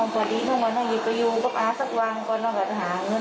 ปัจจุตมานึงอยู่ผมอยู่กับอาอาจารย์หวั่งก็นั่งกับทางหาเงินเลย